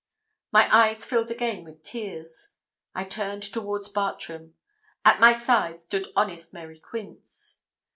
My eyes filled again with tears. I turned towards Bartram. At my side stood honest Mary Quince.